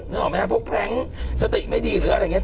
นึกออกไหมนะพวกแปล๊งสติไม่ดีหรืออะไรอย่างเนี้ย